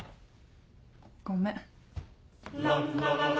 ごめん。